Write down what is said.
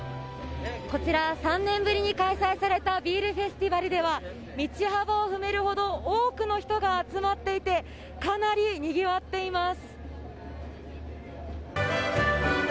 こちら３年ぶりに開催されたビールフェスティバルでは道幅を埋めるほど多くの人が集まっていてかなり、にぎわっています。